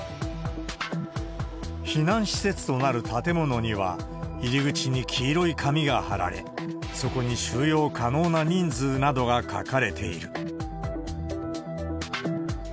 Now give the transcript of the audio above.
避難施設となる建物には、入り口に黄色い紙が貼られ、そこに収容可能な人数などが書かれている。